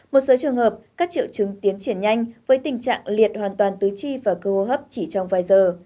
một số trường hợp các triệu chứng tiến triển nhanh với tình trạng liệt hoàn toàn tứ chi và cơ hô hấp chỉ trong vài giờ